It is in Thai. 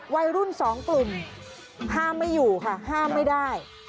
วัยรุ่นสองกลุ่มห้ามไม่อยู่ค่ะห้ามไม่ได้